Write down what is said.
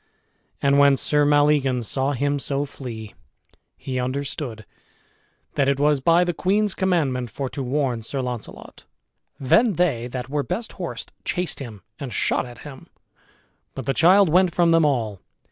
And when Sir Maleagans saw him so flee, he understood that it was by the queen's commandment for to warn Sir Launcelot. Then they that were best horsed chased him, and shot at him, but the child went from them all.